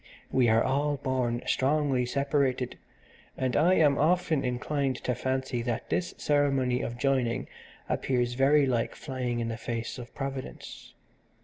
We are all born strongly separated, and I am often inclined to fancy that this ceremony of joining appears very like flying in the face of Providence.